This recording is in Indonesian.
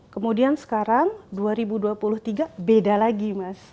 kemudian sekarang dua ribu dua puluh tiga beda lagi mas